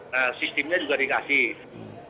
nah sistemnya juga dikasih